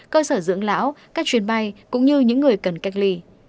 cơ sở dưỡng lão các chuyến bay cũng như những người cần cách ly